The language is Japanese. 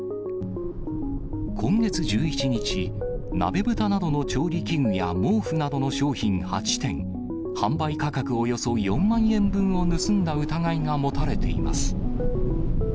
今月１１日、鍋ぶたなどの調理器具や毛布などの商品８点、販売価格およそ４万円分を盗んだ疑いが持たれています。